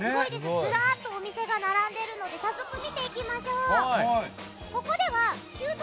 ずらっとお店が並んでいるので早速、見ていきましょう。